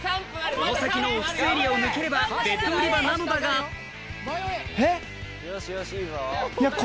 この先のオフィスエリアを抜ければベッド売り場なのだがえ？